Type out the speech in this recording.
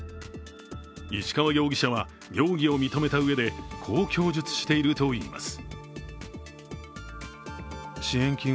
石川容疑者は容疑を認めたうえでこう供述しているといいます。